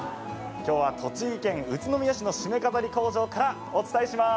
今日は栃木県宇都宮市のしめ飾り工場からお伝えします。